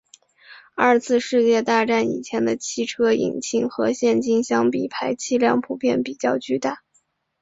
二次世界大战以前的汽车引擎和现今相比排气量普遍比较巨大。